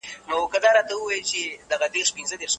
سپین چای هم ځانګړی خوند لري.